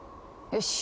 よし。